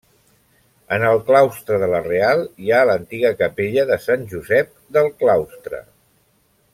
En el claustre de la Real hi ha l'antiga capella de Sant Josep del Claustre.